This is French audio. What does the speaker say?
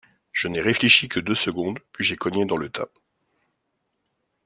Je n’ai réfléchi que deux secondes, puis j’ai cogné dans le tas.